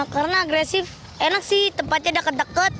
karena agresif enak sih tempatnya dekat dekat